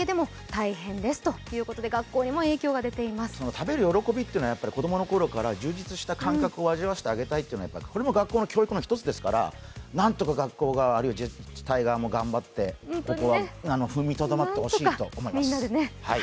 食べる喜びっていうのは子供の頃から充実した感覚を味あわせてあげたいっていうのはこれも学校の教育の一つですから、何とか学校側、あるいは自治体側も頑張って踏みとどまってほしいと思います。